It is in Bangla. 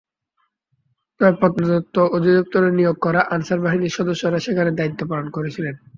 তবে প্রত্নতত্ত্ব অধিদপ্তরের নিয়োগ করা আনসার বাহিনীর সদস্যরা সেখানে দায়িত্ব পালন করছিলেন।